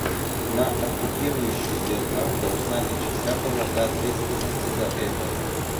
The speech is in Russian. На оккупирующую державу должна лечь вся полнота ответственности за это.